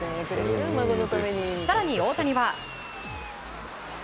更に、大谷は。